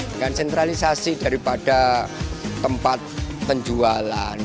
dengan sentralisasi daripada tempat penjualan